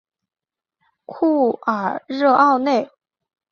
库尔热奥内。